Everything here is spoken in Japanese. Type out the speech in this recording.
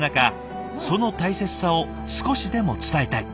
その大切さを少しでも伝えたい。